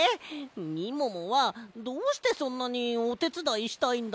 みももはどうしてそんなにおてつだいしたいんだ？